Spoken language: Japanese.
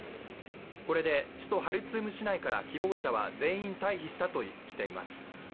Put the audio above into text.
これで首都ハルツーム市内から希望者は全員退避したとしています。